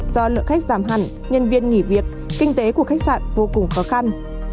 do lượng khách giảm hẳn nhân viên nghỉ việc kinh tế của khách sạn vô cùng khó khăn